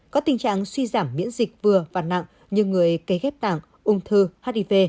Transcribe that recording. có tình trạng suy giảm miễn dịch vừa và nặng như người cấy ghép tảng ung thư hiv